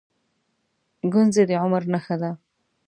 گونځې د عمر نښه ده.